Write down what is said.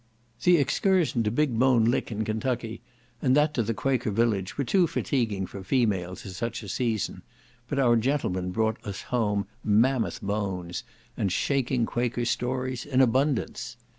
The excursion to Big Bone Lick, in Kentucky, and that to the Quaker village, were too fatiguing for females at such a season, but our gentlemen brought us home mammoth bones and shaking Quaker stories in abundance.